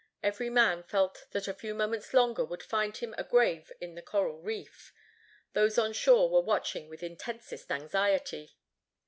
Every man felt that a few moments longer would find him a grave in the coral reef. Those on shore were watching with intensest anxiety.